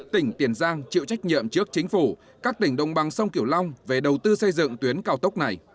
tỉnh tiền giang chịu trách nhiệm trước chính phủ các tỉnh đồng bằng sông kiểu long về đầu tư xây dựng tuyến cao tốc này